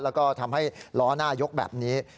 แล้วก็ทำให้ล้อหน้ายกแบบนี้